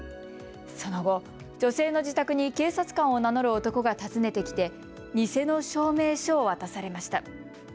その後、女性の自宅に警察官を名乗る男が訪ねてきて偽の証明書を渡されました。